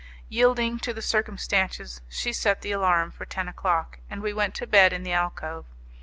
Yielding to the circumstances, she set the alarum for ten o'clock, and we went to bed in the alcove.